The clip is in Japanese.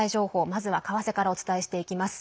まずは為替からお伝えしていきます。